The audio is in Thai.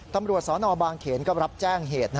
ตำรวจสนบางเขนก็รับแจ้งเหตุ